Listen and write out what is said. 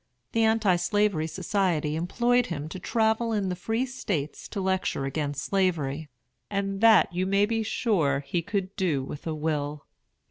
The Anti Slavery Society employed him to travel in the Free States to lecture against Slavery; and that you may be sure he could do with a will.